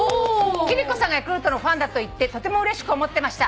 「貴理子さんがヤクルトのファンだと言ってとてもうれしく思ってました」